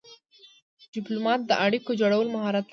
ډيپلومات د اړیکو جوړولو مهارت لري.